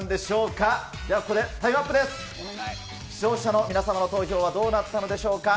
視聴者の皆様の投票はどうなったのでしょうか。